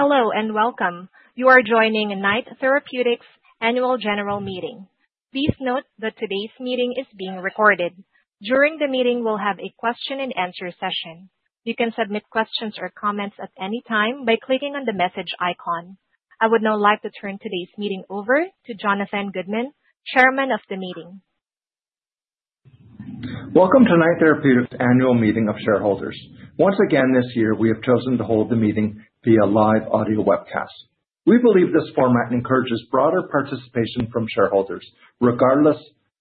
Hello and welcome. You are joining Knight Therapeutics' annual general meeting. Please note that today's meeting is being recorded. During the meeting, we'll have a question-and-answer session. You can submit questions or comments at any time by clicking on the message icon. I would now like to turn today's meeting over to Jonathan Goodman, Chairman of the meeting. Welcome to Knight Therapeutics' annual meeting of shareholders. Once again this year, we have chosen to hold the meeting via live audio webcast. We believe this format encourages broader participation from shareholders, regardless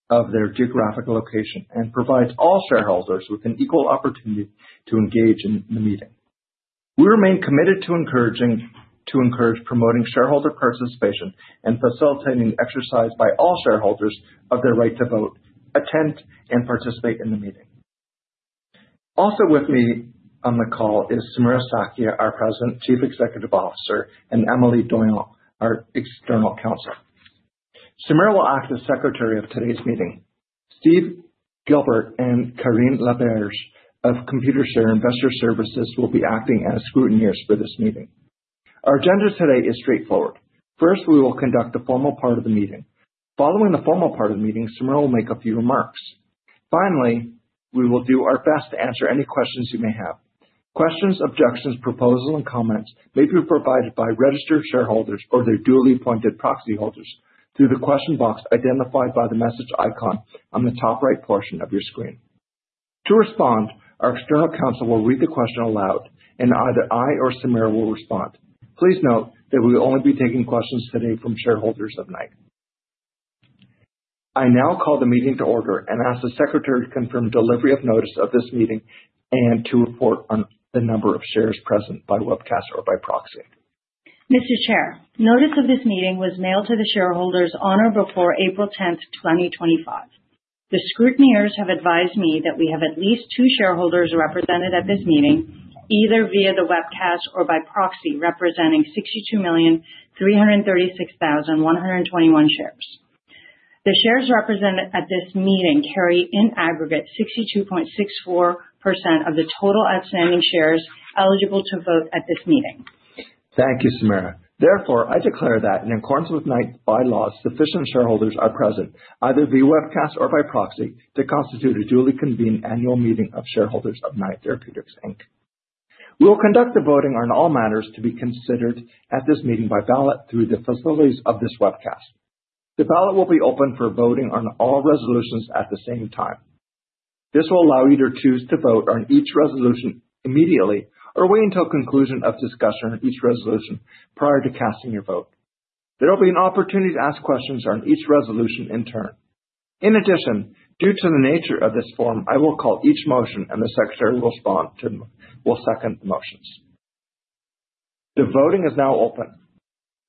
of their geographic location, and provides all shareholders with an equal opportunity to engage in the meeting. We remain committed to encouraging and promoting shareholder participation and facilitating exercise by all shareholders of their right to vote, attend, and participate in the meeting. Also with me on the call is Samira Sakhia, our President, Chief Executive Officer, and Am`elie Doyon, our External Counsel. Samira will act as Secretary of today's meeting. Steve Gilbert and Karine Laberge of Computershare Investor Services will be acting as scrutineers for this meeting. Our agenda today is straightforward. First, we will conduct the formal part of the meeting. Following the formal part of the meeting, Samira will make a few remarks. Finally, we will do our best to answer any questions you may have. Questions, objections, proposals, and comments may be provided by registered shareholders or their duly appointed proxy holders through the question box identified by the message icon on the top right portion of your screen. To respond, our External Counsel will read the question aloud, and either I or Samira will respond. Please note that we will only be taking questions today from shareholders of Knight. I now call the meeting to order and ask the Secretary to confirm delivery of notice of this meeting and to report on the number of shares present by webcast or by proxy. Mr. Chair, notice of this meeting was mailed to the shareholders on or before April 10th, 2025. The scrutineers have advised me that we have at least two shareholders represented at this meeting, either via the webcast or by proxy, representing 62,336,121 shares. The shares represented at this meeting carry, in aggregate, 62.64% of the total outstanding shares eligible to vote at this meeting. Thank you, Samira. Therefore, I declare that, in accordance with Knight's bylaws, sufficient shareholders are present, either via webcast or by proxy, to constitute a duly convened annual meeting of shareholders of Knight Therapeutics, Inc. We will conduct the voting on all matters to be considered at this meeting by ballot through the facilities of this webcast. The ballot will be open for voting on all resolutions at the same time. This will allow you to choose to vote on each resolution immediately or wait until conclusion of discussion on each resolution prior to casting your vote. There will be an opportunity to ask questions on each resolution in turn. In addition, due to the nature of this forum, I will call each motion, and the Secretary will second the motions. The voting is now open.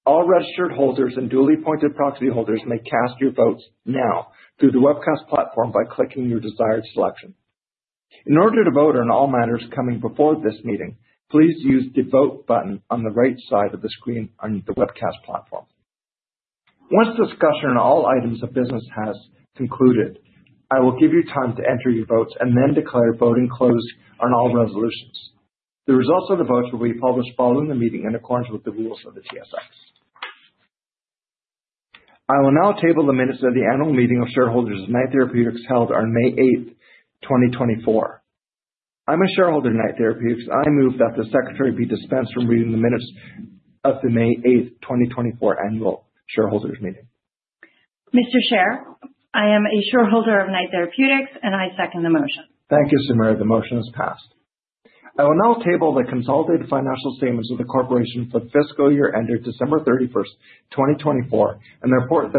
All registered holders and duly appointed proxy holders may cast your votes now through the webcast platform by clicking your desired selection. In order to vote on all matters coming before this meeting, please use the vote button on the right side of the screen on the webcast platform. Once discussion on all items of business has concluded, I will give you time to enter your votes and then declare voting closed on all resolutions. The results of the votes will be published following the meeting in accordance with the rules of the TSX. I will now table the minutes of the annual meeting of shareholders of Knight Therapeutics held on May 8th, 2024. I'm a shareholder of Knight Therapeutics. I move that the Secretary be dispensed from reading the minutes of the May 8th, 2024 annual shareholders' meeting. Mr. Chair, I am a shareholder of Knight Therapeutics, and I second the motion. Thank you, Samira. The motion is passed. I will now table the consolidated financial statements of the corporation for the fiscal year ended December 31st, 2024, and the report of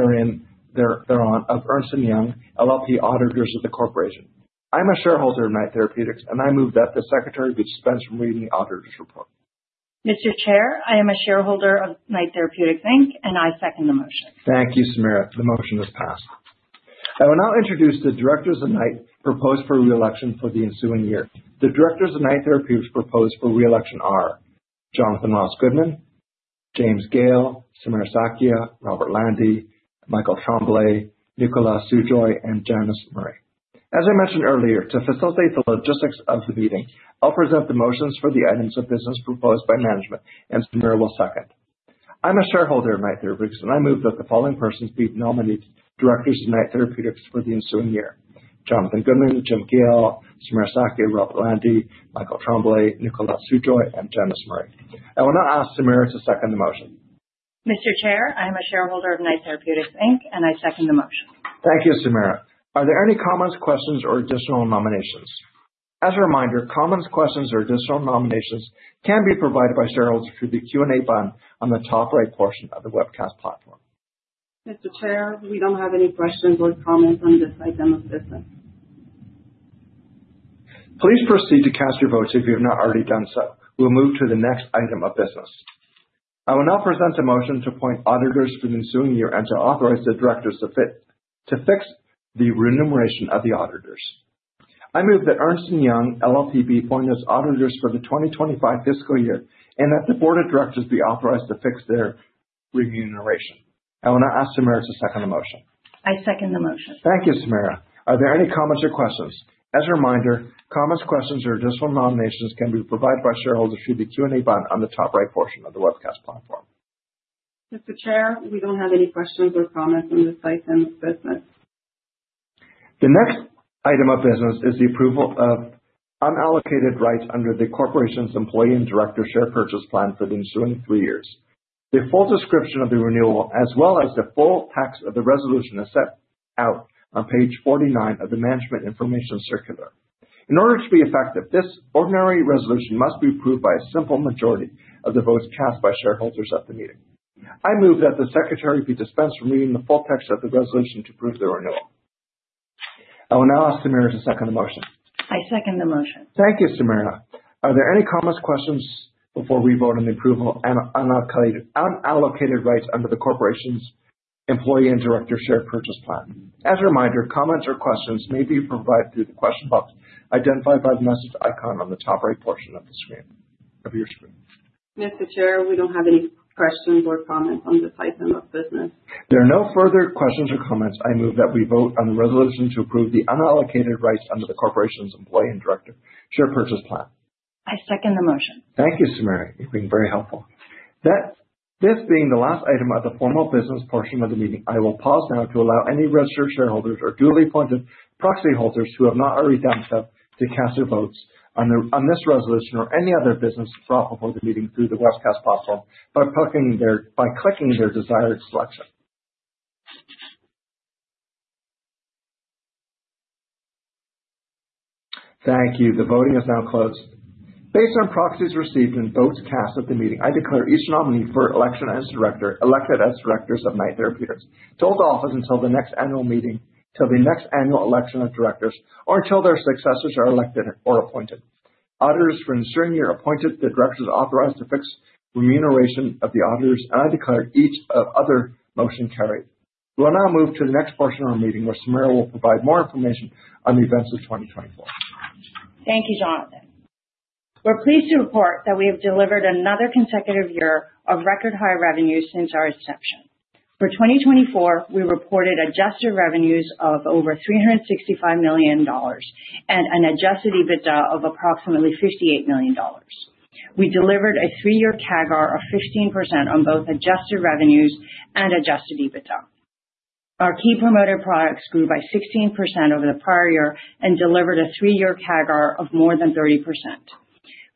Ernst & Young LLP thereon, auditors of the corporation. I'm a shareholder of Knight Therapeutics, and I move that the Secretary be dispensed from reading the auditor's report. Mr. Chair, I am a shareholder of Knight Therapeutics, Inc., and I second the motion. Thank you, Samira. The motion is passed. I will now introduce the directors of Knight proposed for reelection for the ensuing year. The directors of Knight Therapeutics proposed for reelection are Jonathan Ross Goodman, James Gale, Samira Sakhia, Robert Landy, Michael Tremblay, Nicolas Sujoy, and Janice Murray. As I mentioned earlier, to facilitate the logistics of the meeting, I'll present the motions for the items of business proposed by management, and Samira will second. I'm a shareholder of Knight Therapeutics, and I move that the following persons be nominated directors of Knight Therapeutics for the ensuing year: Jonathan Goodman, Jim Gale, Samira Sakhia, Robert Landy, Michael Tremblay, Nicolas Sujoy, and Janice Murray. I will now ask Samira to second the motion. Mr. Chair, I am a shareholder of Knight Therapeutics Inc., and I second the motion. Thank you, Samira. Are there any comments, questions, or additional nominations? As a reminder, comments, questions, or additional nominations can be provided by shareholders through the Q&A button on the top right portion of the webcast platform. Mr. Chair, we don't have any questions or comments on this item of business. Please proceed to cast your votes if you have not already done so. We'll move to the next item of business. I will now present a motion to appoint auditors for the ensuing year and to authorize the directors to fix the remuneration of the auditors. I move that Ernst & Young LLP be appointed as auditors for the 2025 fiscal year and that the board of directors be authorized to fix their remuneration. I will now ask Samira to second the motion. I second the motion. Thank you, Samira. Are there any comments or questions? As a reminder, comments, questions, or additional nominations can be provided by shareholders through the Q&A button on the top right portion of the webcast platform. Mr. Chair, we don't have any questions or comments on this item of business. The next item of business is the approval of unallocated rights under the corporation's employee and director share purchase plan for the ensuing three years. The full description of the renewal, as well as the full text of the resolution, is set out on page 49 of the Management Information Circular. In order to be effective, this ordinary resolution must be approved by a simple majority of the votes cast by shareholders at the meeting. I move that the Secretary be dispensed from reading the full text of the resolution to approve the renewal. I will now ask Samira to second the motion. I second the motion. Thank you, Samira. Are there any comments, questions before we vote on the approval of unallocated rights under the corporation's employee and director share purchase plan? As a reminder, comments or questions may be provided through the question box identified by the message icon on the top right portion of your screen. Mr. Chair, we don't have any questions or comments on this item of business. There are no further questions or comments. I move that we vote on the resolution to approve the unallocated rights under the corporation's employee and director share purchase plan. I second the motion. Thank you, Samira. You've been very helpful. This being the last item of the formal business portion of the meeting, I will pause now to allow any registered shareholders or duly appointed proxy holders who have not already done so to cast their votes on this resolution or any other business brought before the meeting through the webcast platform by clicking their desired selection. Thank you. The voting is now closed. Based on proxies received and votes cast at the meeting, I declare each nominee for election as director elected as directors of Knight Therapeutics to hold office until the next annual meeting, till the next annual election of directors, or until their successors are elected or appointed. The auditors are appointed, the directors are authorized to fix remuneration of the auditors, and I declare each other motion carried. We'll now move to the next portion of our meeting where Samira will provide more information on the events of 2024. Thank you, Jonathan. We're pleased to report that we have delivered another consecutive year of record-high revenues since our inception. For 2024, we reported adjusted revenues of over 365 million dollars and an adjusted EBITDA of approximately 58 million dollars. We delivered a three-year CAGR of 15% on both adjusted revenues and adjusted EBITDA. Our key promoted products grew by 16% over the prior year and delivered a three-year CAGR of more than 30%.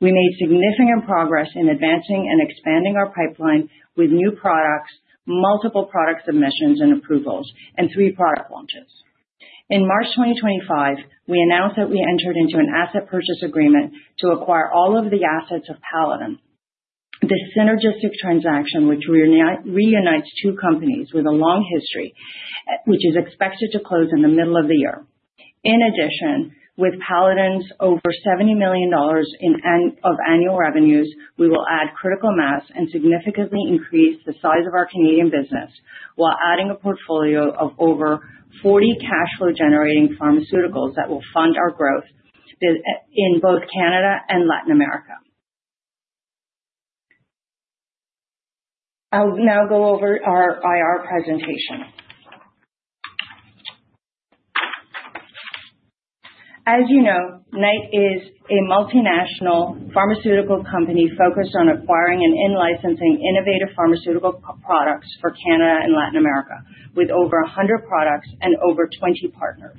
We made significant progress in advancing and expanding our pipeline with new products, multiple product submissions and approvals, and three product launches. In March 2025, we announced that we entered into an asset purchase agreement to acquire all of the assets of Paladin, the synergistic transaction which reunites two companies with a long history, which is expected to close in the middle of the year. In addition, with Paladin's over 70 million dollars of annual revenues, we will add critical mass and significantly increase the size of our Canadian business while adding a portfolio of over 40 cash-flow-generating pharmaceuticals that will fund our growth in both Canada and Latin America. I'll now go over our IR presentation. As you know, Knight is a multinational pharmaceutical company focused on acquiring and in-licensing innovative pharmaceutical products for Canada and Latin America, with over 100 products and over 20 partners.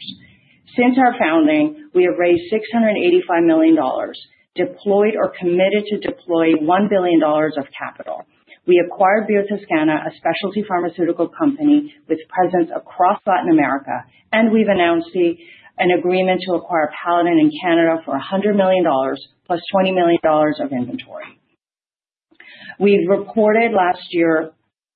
Since our founding, we have raised 685 million dollars, deployed or committed to deploy 1 billion dollars of capital. We acquired BioToscana, a specialty pharmaceutical company with presence across Latin America, and we've announced an agreement to acquire Paladin in Canada for 100 million dollars plus 20 million dollars of inventory. We've reported last year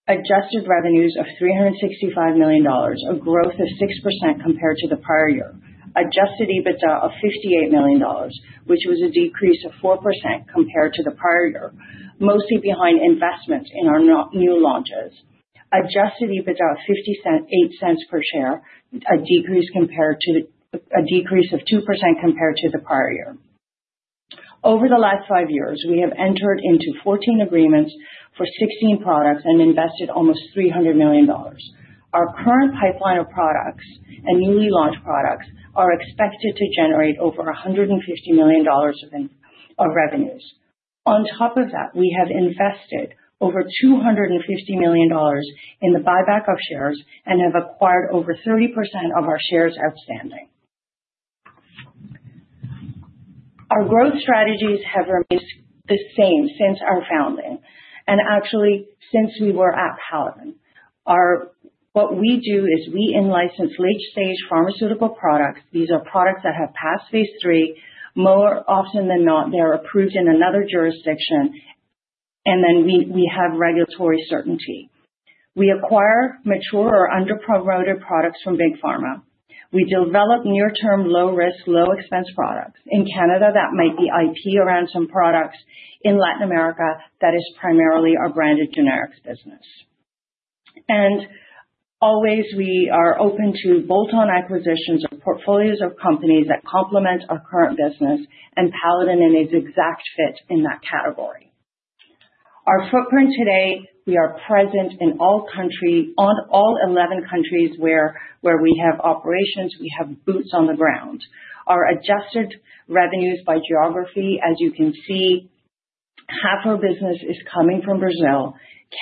adjusted revenues of 365 million dollars, a growth of 6% compared to the prior year, adjusted EBITDA of 58 million dollars, which was a decrease of 4% compared to the prior year, mostly behind investments in our new launches, adjusted EBITDA of 0.58 per share, a decrease of 2% compared to the prior year. Over the last five years, we have entered into 14 agreements for 16 products and invested almost 300 million dollars. Our current pipeline of products and newly launched products are expected to generate over 150 million dollars of revenues. On top of that, we have invested over 250 million dollars in the buyback of shares and have acquired over 30% of our shares outstanding. Our growth strategies have remained the same since our founding and actually since we were at Paladin. What we do is we in-license late-stage pharmaceutical products. These are products that have passed phase three. More often than not, they're approved in another jurisdiction, and then we have regulatory certainty. We acquire mature or under-promoted products from big pharma. We develop near-term, low-risk, low-expense products. In Canada, that might be IP around some products. In Latin America, that is primarily our branded generics business, and always, we are open to bolt-on acquisitions of portfolios of companies that complement our current business, and Paladin is an exact fit in that category. Our footprint today, we are present in all 11 countries where we have operations. We have boots on the ground. Our adjusted revenues by geography, as you can see, half our business is coming from Brazil.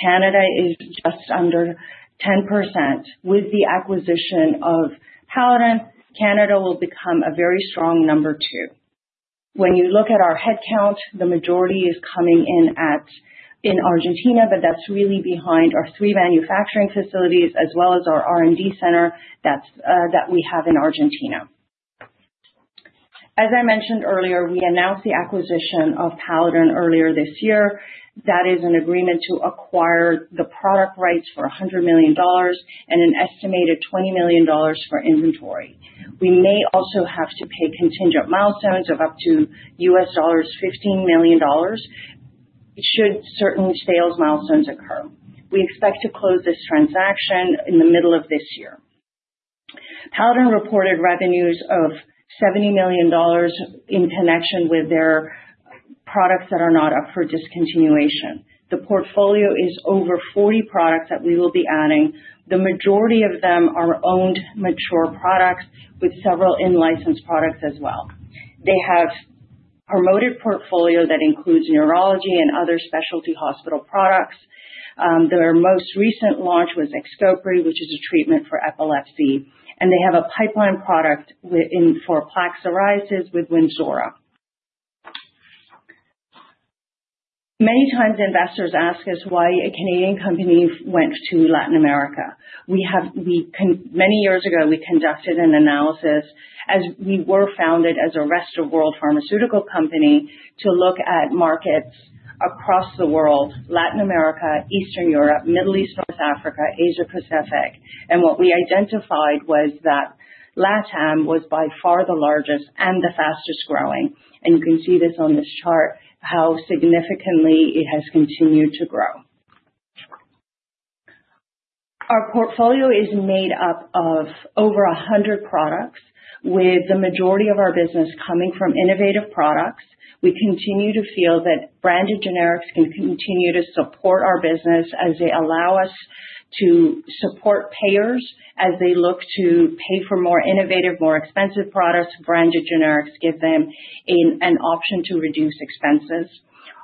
Canada is just under 10%. With the acquisition of Paladin, Canada will become a very strong number two. When you look at our headcount, the majority is coming in at Argentina, but that's really behind our three manufacturing facilities as well as our R&D center that we have in Argentina. As I mentioned earlier, we announced the acquisition of Paladin earlier this year. That is an agreement to acquire the product rights for 100 million dollars and an estimated 20 million dollars for inventory. We may also have to pay contingent milestones of up to $15 million should certain sales milestones occur. We expect to close this transaction in the middle of this year. Paladin reported revenues of 70 million dollars in connection with their products that are not up for discontinuation. The portfolio is over 40 products that we will be adding. The majority of them are owned mature products with several in-license products as well. They have a promoted portfolio that includes neurology and other specialty hospital products. Their most recent launch was Xcopri, which is a treatment for epilepsy, and they have a pipeline product for plaque psoriasis with Wynzora. Many times, investors ask us why a Canadian company went to Latin America. Many years ago, we conducted an analysis as we were founded as a rest-of-world pharmaceutical company to look at markets across the world: Latin America, Eastern Europe, Middle East, North Africa, Asia-Pacific. And what we identified was that LATAM was by far the largest and the fastest growing. And you can see this on this chart, how significantly it has continued to grow. Our portfolio is made up of over 100 products, with the majority of our business coming from innovative products. We continue to feel that branded generics can continue to support our business as they allow us to support payers as they look to pay for more innovative, more expensive products. Branded generics give them an option to reduce expenses.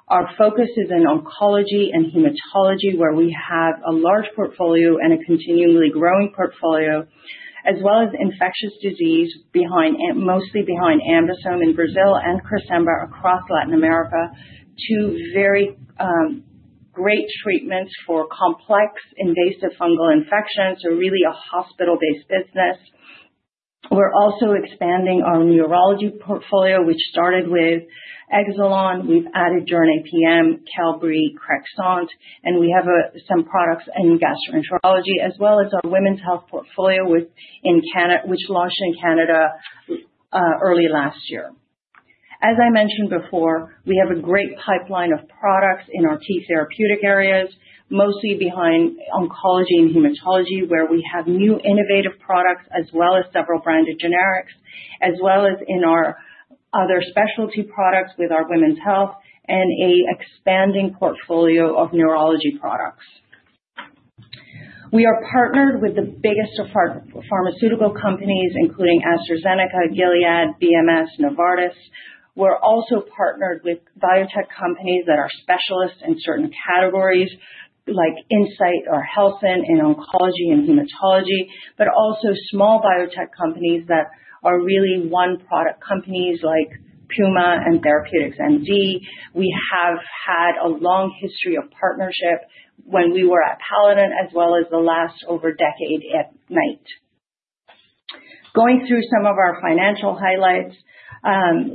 Our focus is in oncology and hematology, where we have a large portfolio and a continually growing portfolio, as well as infectious disease, mostly behind AmBisome in Brazil and Cresemba across Latin America. Two very great treatments for complex invasive fungal infections. So really a hospital-based business. We're also expanding our neurology portfolio, which started with Exelon. We've added Jornay PM, Qelbree, Crexont, and we have some products in gastroenterology, as well as our women's health portfolio which launched in Canada early last year. As I mentioned before, we have a great pipeline of products in our key therapeutic areas, mostly behind oncology and hematology, where we have new innovative products as well as several branded generics, as well as in our other specialty products with our women's health and an expanding portfolio of neurology products. We are partnered with the biggest pharmaceutical companies, including AstraZeneca, Gilead, BMS, Novartis. We're also partnered with biotech companies that are specialists in certain categories like Incyte or Helsinn in oncology and hematology, but also small biotech companies that are really one-product companies like Puma and TherapeuticsMD. We have had a long history of partnership when we were at Paladin, as well as the last over decade at Knight. Going through some of our financial highlights,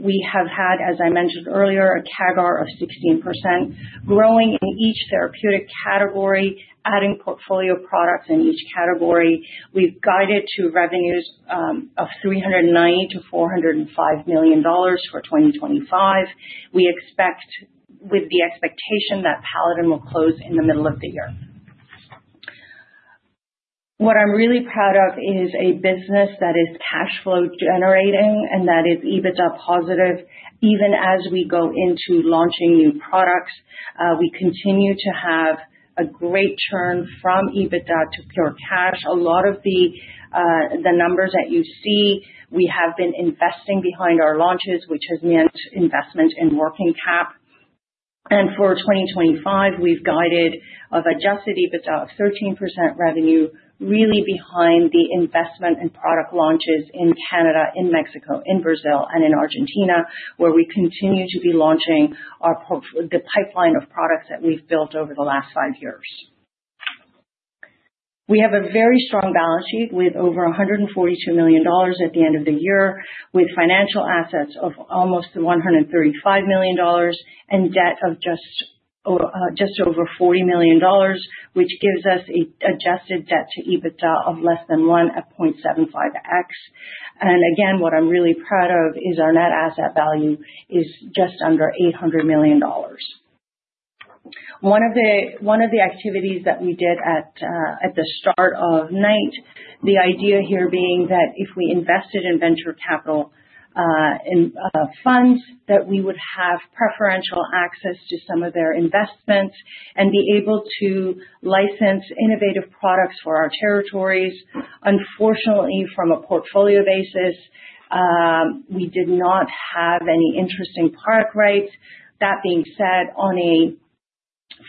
we have had, as I mentioned earlier, a CAGR of 16%, growing in each therapeutic category, adding portfolio products in each category. We've guided to revenues of 390 million-405 million dollars for 2025. We expect with the expectation that Paladin will close in the middle of the year. What I'm really proud of is a business that is cash-flow generating and that is EBITDA positive. Even as we go into launching new products, we continue to have a great churn from EBITDA to pure cash. A lot of the numbers that you see, we have been investing behind our launches, which has meant investment in working cap. For 2025, we've guided of adjusted EBITDA of 13% revenue, really behind the investment in product launches in Canada, in Mexico, in Brazil, and in Argentina, where we continue to be launching the pipeline of products that we've built over the last five years. We have a very strong balance sheet with over 142 million dollars at the end of the year, with financial assets of almost 135 million dollars and debt of just over 40 million dollars, which gives us an adjusted debt to EBITDA of less than 1 at 0.75x. Again, what I'm really proud of is our net asset value is just under 800 million dollars. One of the activities that we did at the start of Knight, the idea here being that if we invested in venture capital funds, that we would have preferential access to some of their investments and be able to license innovative products for our territories. Unfortunately, from a portfolio basis, we did not have any interesting product rights. That being said, on a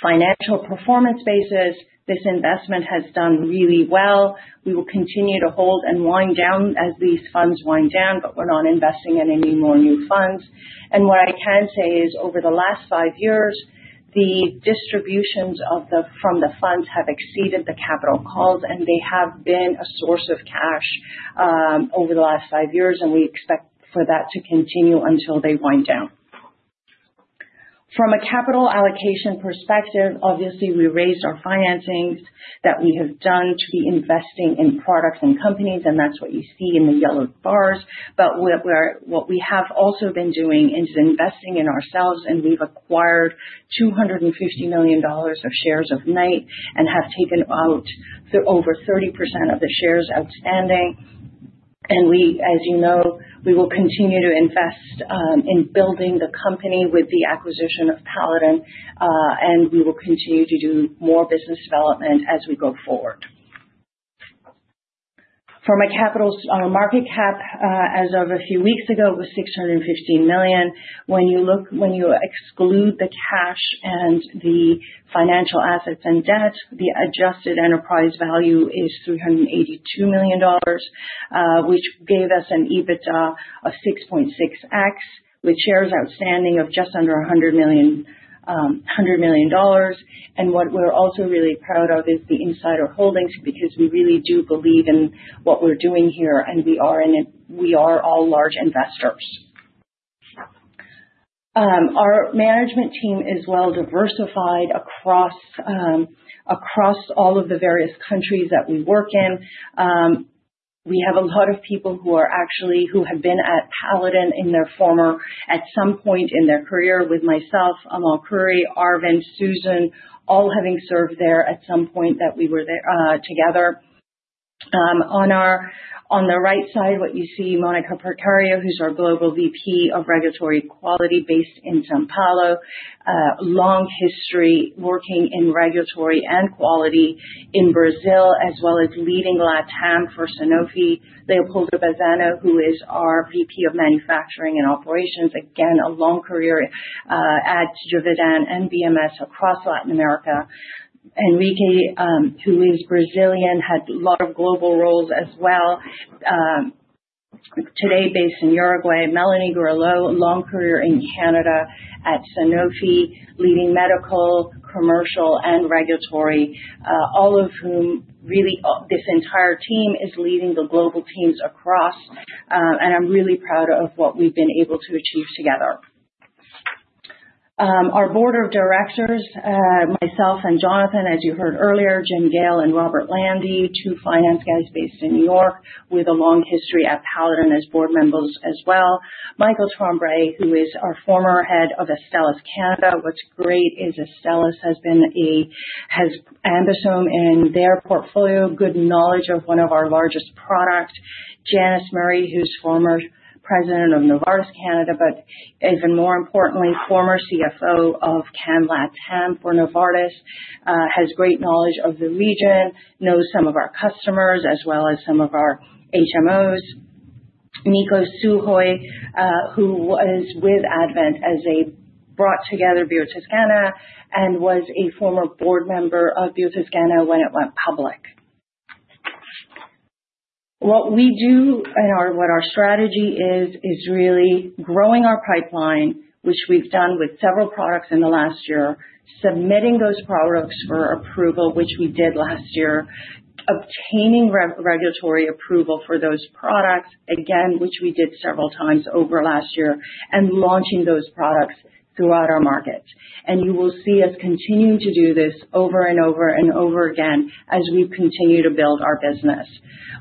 financial performance basis, this investment has done really well. We will continue to hold and wind down as these funds wind down, but we're not investing in any more new funds, and what I can say is, over the last five years, the distributions from the funds have exceeded the capital calls, and they have been a source of cash over the last five years, and we expect for that to continue until they wind down. From a capital allocation perspective, obviously, we raised our financings that we have done to be investing in products and companies, and that's what you see in the yellow bars. But what we have also been doing is investing in ourselves, and we've acquired 250 million dollars of shares of Knight and have taken out over 30% of the shares outstanding. And as you know, we will continue to invest in building the company with the acquisition of Paladin, and we will continue to do more business development as we go forward. From a capital market cap, as of a few weeks ago, it was 615 million. When you exclude the cash and the financial assets and debt, the adjusted enterprise value is 382 million dollars, which gave us an EBITDA of 6.6x, with shares outstanding of just under 100 million. And what we're also really proud of is the insider holdings because we really do believe in what we're doing here, and we are all large investors. Our management team is well diversified across all of the various countries that we work in. We have a lot of people who have been at Paladin at some point in their career, with myself, Amal Khouri, Arvind, Susan, all having served there at some point that we were together. On our right side, what you see, Monica Porcariu, who's our Global VP of Regulatory and Quality based in São Paulo, long history working in regulatory and quality in Brazil, as well as leading LATAM for Sanofi. Leopoldo Bazzano, who is our VP of Manufacturing and Operations, again, a long career at Givaudan and BMS across Latin America. Enrique, who is Brazilian, had a lot of global roles as well. Today, based in Uruguay, Melanie Gualtieri, long career in Canada at Sanofi, leading medical, commercial, and regulatory, all of whom really this entire team is leading the global teams across. And I'm really proud of what we've been able to achieve together. Our board of directors, myself and Jonathan, as you heard earlier, Jim Gale and Robert Landy, two finance guys based in New York with a long history at Paladin as board members as well. Michael Tremblay, who is our former head of Astellas Canada. What's great is Astellas has AmBisome in their portfolio, good knowledge of one of our largest products. Janice Murray, who's former president of Novartis Canada, but even more importantly, former CFO of Canada LATAM for Novartis, has great knowledge of the region, knows some of our customers as well as some of our HMOs. Nico Sujoy, who was with Advent as they brought together BioToscana and was a former board member of BioToscana when it went public. What we do and what our strategy is, is really growing our pipeline, which we've done with several products in the last year, submitting those products for approval, which we did last year, obtaining regulatory approval for those products, again, which we did several times over last year, and launching those products throughout our markets. And you will see us continuing to do this over and over and over again as we continue to build our business.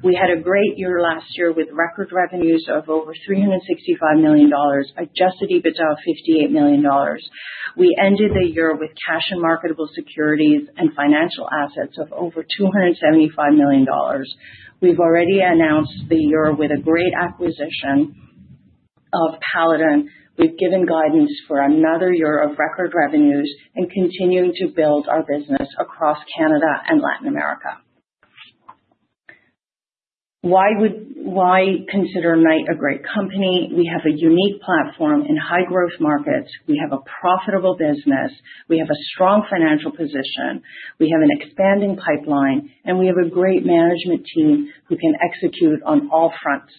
We had a great year last year with record revenues of over 365 million dollars, Adjusted EBITDA of 58 million dollars. We ended the year with cash and marketable securities and financial assets of over 275 million dollars. We've already announced the year with a great acquisition of Paladin. We've given guidance for another year of record revenues and continuing to build our business across Canada and Latin America. Why consider Knight a great company? We have a unique platform in high-growth markets. We have a profitable business. We have a strong financial position. We have an expanding pipeline, and we have a great management team who can execute on all fronts.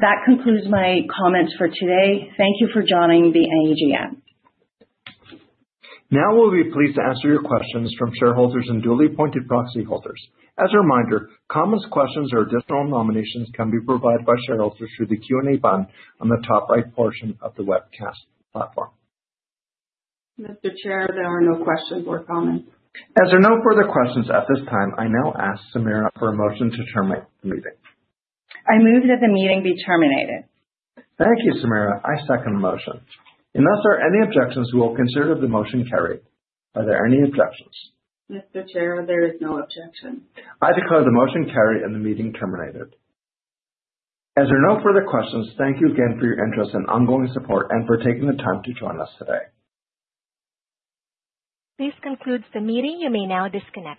That concludes my comments for today. Thank you for joining the AGM. Now we'll be pleased to answer your questions from shareholders and duly appointed proxy holders. As a reminder, comments, questions, or additional nominations can be provided by shareholders through the Q&A button on the top right portion of the webcast platform. Mr. Chair, there are no questions or comments. As there are no further questions at this time, I now ask Samira for a motion to terminate the meeting. I move that the meeting be terminated. Thank you, Samira. I second the motion. If there are any objections, we'll consider the motion carried. Are there any objections? Mr. Chair, there is no objection. I declare the motion carried and the meeting terminated. As there are no further questions, thank you again for your interest and ongoing support and for taking the time to join us today. This concludes the meeting. You may now disconnect.